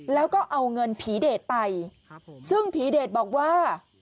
แล้วก็เอาเงินผีเดชไปซึ่งผีเดชบอกว่า